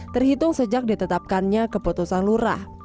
terhitung sejak ditetapkannya keputusan lurah